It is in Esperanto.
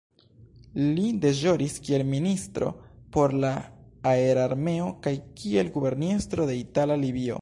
Li deĵoris kiel ministro por la Aerarmeo kaj kiel guberniestro de Itala Libio.